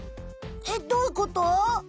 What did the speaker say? えっどういうこと？